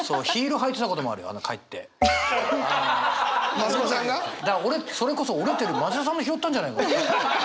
増子さんが？だから俺それこそ折れてる町田さんの拾ったんじゃないかな？